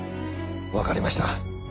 わかりました。